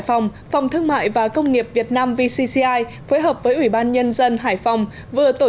hải phòng phòng thương mại và công nghiệp việt nam vcci phối hợp với ủy ban nhân dân hải phòng vừa tổ